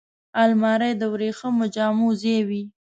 الماري د وریښمو جامو ځای وي